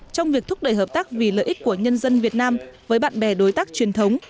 trong việc thúc đẩy hợp tác vì lợi ích của nhân dân việt nam với bạn bè đối tác truyền thống